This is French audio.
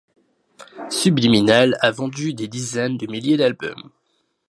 Subliminal a vendu des dizaines de milliers d'albums.